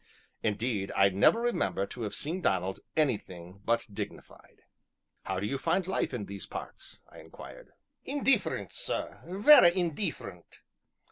Indeed, I never remember to have seen Donald anything but dignified. "How do you find life in these parts?" I inquired. "Indeefferent, sir vera indeefferent!